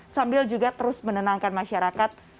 sambil juga terus menenangkan masyarakat